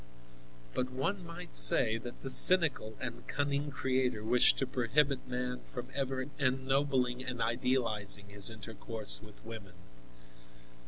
But one might say that the cynical and cunning Creator wished to prohibit man from ever ennobling and idealizing his intercourse with women.